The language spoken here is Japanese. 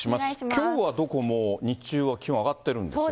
きょうはどこも、日中は気温上がってるんですよね。